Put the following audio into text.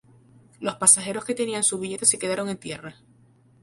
Los pasajeros que tenían su billete se quedaron en tierra.